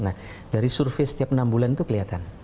nah dari survei setiap enam bulan itu kelihatan